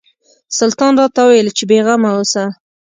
سلطان راته وویل چې بېغمه اوسه.